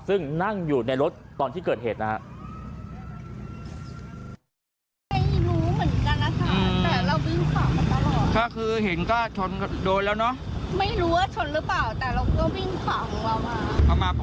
ซึ่งนั่งอยู่ในรถตอนที่เกิดเหตุนะครับ